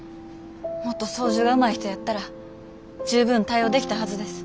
もっと操縦がうまい人やったら十分対応できたはずです。